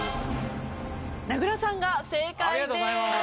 名倉さんが正解です！